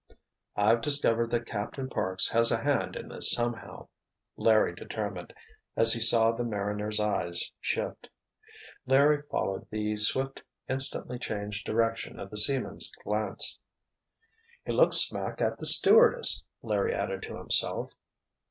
"I've discovered that Captain Parks has a hand in this somehow," Larry determined, as he saw the mariner's eyes shift. Larry followed the swift, instantly changed direction of the seaman's glance. "He looked smack at the stewardess," Larry added to himself.